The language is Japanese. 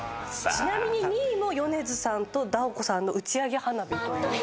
ちなみに２位も米津さんとＤＡＯＫＯさんの『打上花火』という。